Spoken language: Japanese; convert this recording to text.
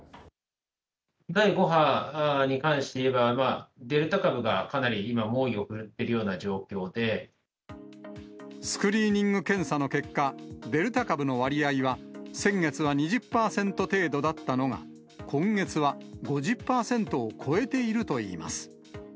第５波に関していえば、デルタ株がかなり今、スクリーニング検査の結果、デルタ株の割合は、先月は２０％程度だったのが、今月は５０％を超えているといいます。